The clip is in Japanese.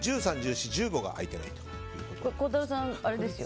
１３、１４、１５が開いてないということです。